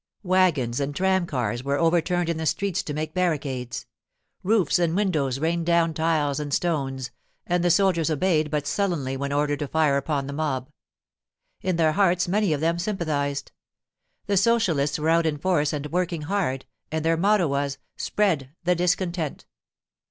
Wagons and tramcars were overturned in the streets to make barricades. Roofs and windows rained down tiles and stones, and the soldiers obeyed but sullenly when ordered to fire upon the mob. In their hearts many of them sympathized. The socialists were out in force and working hard, and their motto was, 'Spread the discontent!